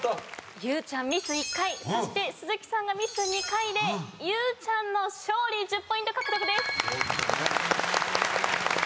ゆうちゃんミス１回そして鈴木さんがミス２回でゆうちゃんの勝利１０ポイント獲得です。